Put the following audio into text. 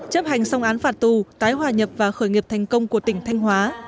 chấp hành xong án phạt tù tái hòa nhập và khởi nghiệp thành công của tỉnh thanh hóa